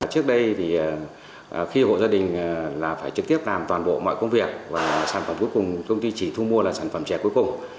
trước đây thì khi hộ gia đình là phải trực tiếp làm toàn bộ mọi công việc và sản phẩm cuối cùng công ty chỉ thu mua là sản phẩm chè cuối cùng